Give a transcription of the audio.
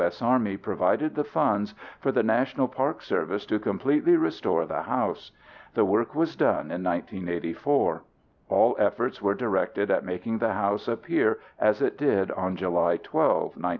S. Army provided the funds for the National Park Service to completely restore the house. The work was done in 1984. All efforts were directed at making the house appear as it did on July 12, 1945.